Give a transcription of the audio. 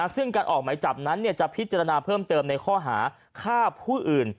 ซึ่งการออกหมายจับนั้นจะพิจารณาเพิ่มเติมในข้อหาฆ่าผู้อื่น